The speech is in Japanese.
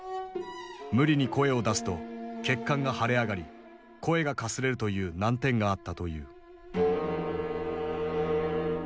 無理に声を出すと血管が腫れ上がり声がかすれるという難点があったという。